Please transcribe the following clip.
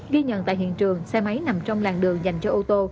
ghi nhận tại hiện trường xe máy nằm trong làng đường dành cho ô tô